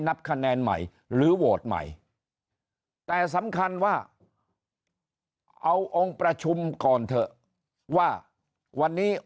นับคะแนนใหม่หรือโหวตใหม่แต่สำคัญว่าเอาองค์ประชุมก่อนเถอะว่าวันนี้